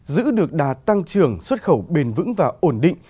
giữ được đà tăng trưởng xuất khẩu bền vững và ổn định